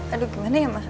aduh gimana ya ma